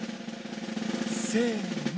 せの！